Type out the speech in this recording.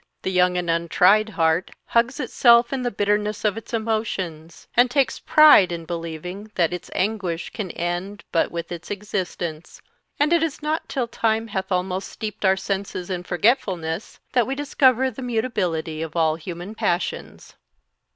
The young and untried heart hugs itself in the bitterness of its emotions, and takes a pride in believing that its anguish can end but with its existence; and it is not till time hath almost steeped our senses in forgetfulness that we discover the mutability of all human passions.